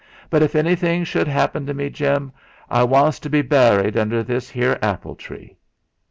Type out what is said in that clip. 'But if anything shude 'appen to me, Jim, I wants to be burried under this 'ere apple tree.'